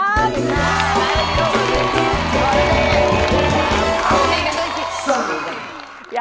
สวัสดีครับ